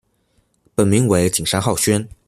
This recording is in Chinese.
本名为景山浩宣。